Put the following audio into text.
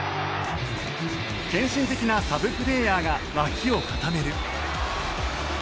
献身的なサブプレーヤーが脇を固める。